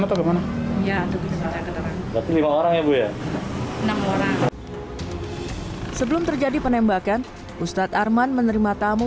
atau gimana ya lima orang ya bu ya enam orang sebelum terjadi penembakan ustadz arman menerima tamu